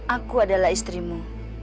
aku adalah istrimu